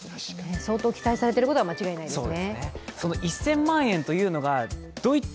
相当期待されていることは間違いないですね。